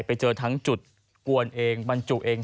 ไปเจอทั้งจุดกวนเองบรรจุเอง